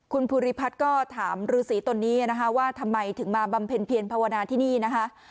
คุณภูริพัฒน์ก็ถามฤษีตนนี้นะคะว่าทำไมถึงมาบำเพ็ญเพียรภาวนาที่นี่นะคะ